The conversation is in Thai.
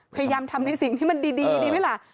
พยายามทำในสิ่งที่มันดีดีไหมล่ะ